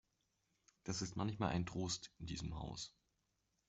Das ist manchmal ein Trost in diesem Haus.